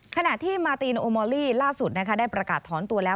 ขณะที่มาตีนโอมอลลี่ล่าสุดได้ประกาศถอนตัวแล้ว